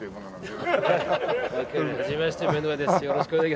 よろしくお願いします。